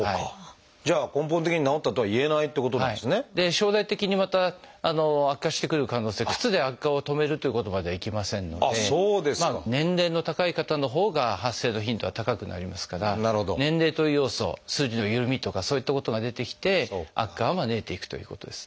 将来的にまた悪化してくる可能性靴で悪化を止めるっていうことまではいきませんので年齢の高い方のほうが発生の頻度は高くなりますから年齢という要素筋のゆるみとかそういったことが出てきて悪化を招いていくということです。